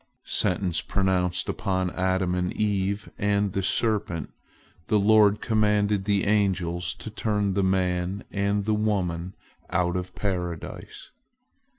Sentence pronounced upon Adam and Eve and the serpent, the Lord commanded the angels to turn the man and the woman out of Paradise.